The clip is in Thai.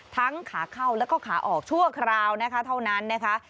ขาเข้าแล้วก็ขาออกชั่วคราวนะคะเท่านั้นนะคะ